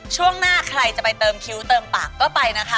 ช่วงหน้าใครจะไปเติมคิ้วเติมปากก็ไปนะคะ